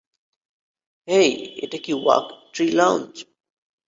হেই, এটা কি walk tree lounge?